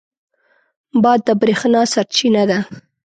باد د برېښنا سرچینه ده.